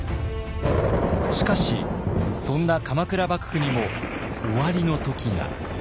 しかしそんな鎌倉幕府にも終わりの時が。